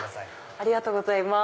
ありがとうございます。